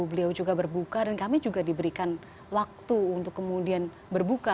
beliau juga berbuka dan kami juga diberikan waktu untuk kemudian berbuka